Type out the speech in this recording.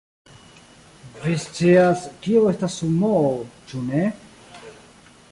Vi scias, kio estas sumoo, ĉu ne?